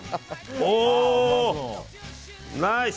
おー、ナイス！